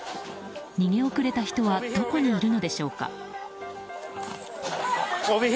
逃げ遅れた人はどこにいるのでしょうか。